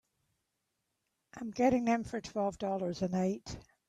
I'm getting them for twelve dollars a night.